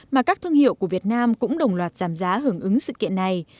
mà các thương hiệu của việt nam cũng đồng loạt giảm giá hưởng ứng sự kiện này